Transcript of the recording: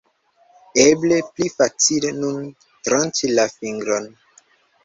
Eble, pli facile nun tranĉi la fingron